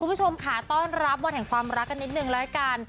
คุณผู้ชมค่ะต้อนรับวันแห่งความรักกันนิดนึงแล้วกัน